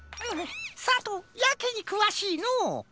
さとうやけにくわしいのう。